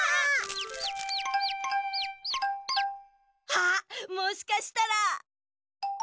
あっもしかしたら。